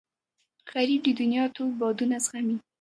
غریب د دنیا تود بادونه زغمي